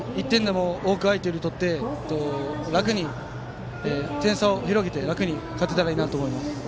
１点でも多く相手より取って点差を広げて楽に勝てたらいいと思います。